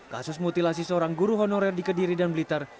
kasus mutilasi seorang guru honorer di kediri dan blitar